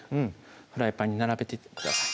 フライパンに並べていってください